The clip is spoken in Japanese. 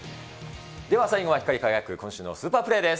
では最後は光り輝く今週のスーパープレーです。